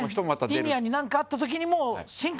リニアになんかあった時にも郡汗Ⅳ